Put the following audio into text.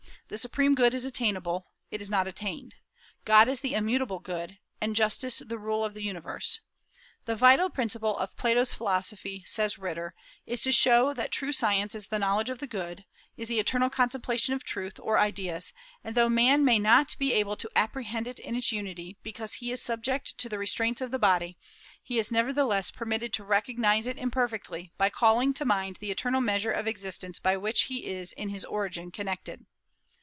The supreme good is attainable; it is not attained. God is the immutable good, and justice the rule of the universe. "The vital principle of Plato's philosophy," says Ritter, "is to show that true science is the knowledge of the good, is the eternal contemplation of truth, or ideas; and though man may not be able to apprehend it in its unity, because he is subject to the restraints of the body, he is nevertheless permitted to recognize it imperfectly by calling to mind the eternal measure of existence by which he is in his origin connected."